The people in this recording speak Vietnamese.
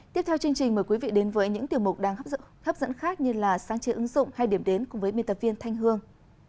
tiếp theo chương trình mời quý vị đến với những tiểu mục đang hấp dẫn hấp dẫn khác như là sáng chế ứng dụng hay điểm đến cùng với biên tập viên thanh hương